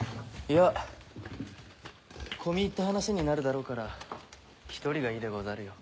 いや込み入った話になるだろうから１人がいいでござるよ。